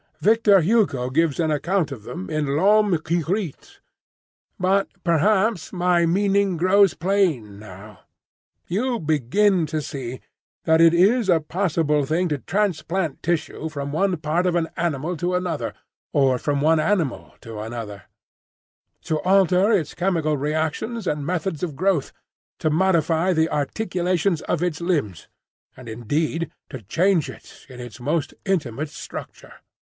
Victor Hugo gives an account of them in 'L'Homme qui Rit.'—But perhaps my meaning grows plain now. You begin to see that it is a possible thing to transplant tissue from one part of an animal to another, or from one animal to another; to alter its chemical reactions and methods of growth; to modify the articulations of its limbs; and, indeed, to change it in its most intimate structure.